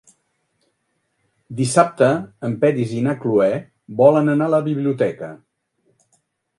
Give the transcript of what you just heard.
Dissabte en Peris i na Cloè volen anar a la biblioteca.